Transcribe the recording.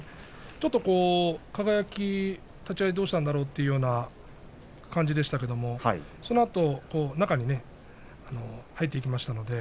ちょっと輝立ち合いどうしたんだろうというような感じでしたけどそのあと中に入ってきましたので